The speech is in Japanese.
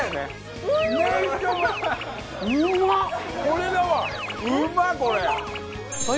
これだわ！